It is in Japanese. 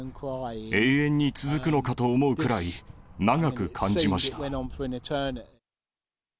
永遠に続くのかと思うくらい、長く感じました。